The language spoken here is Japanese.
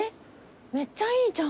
めっちゃいいじゃん。